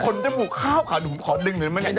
สาลงจมูกขาวขอดึงเรื่องเข้ามา